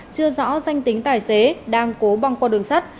chưa rõ danh tính tài xế đang cố băng qua đường sắt